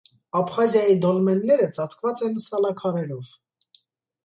Աբխազիայի դոլմենները ծածկված են սալաքարերով։